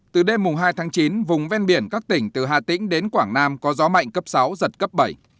từ đêm hai tháng chín vùng ven biển các tỉnh từ hà tĩnh đến quảng nam có gió mạnh cấp sáu giật cấp bảy